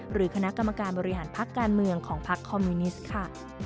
หรือคณะกรรมการบริหารพักการเมืองของพักคอมมิวนิสต์ค่ะ